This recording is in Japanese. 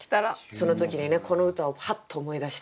その時にねこの歌をパッと思い出して。